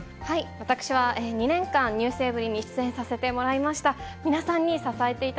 私は２年間、ｎｅｗｓｅｖｅｒｙ．に出演させてもらいました。